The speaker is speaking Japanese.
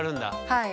はい。